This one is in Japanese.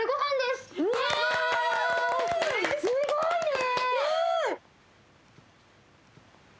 すごいね。